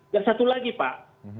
dan satu lagi pak